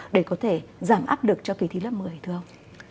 để có thể giảm áp được cho kỳ thí lớp một mươi thưa ông